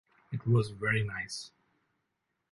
It was very nice.